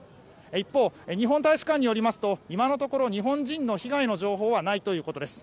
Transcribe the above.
一方、日本大使館によりますと今のところ日本人の被害の情報はないということです。